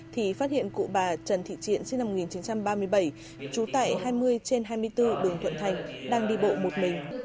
thì phát hiện cụ bà trần thị triện sinh năm một nghìn chín trăm ba mươi bảy trú tại hai mươi trên hai mươi bốn đường thuận thành đang đi bộ một mình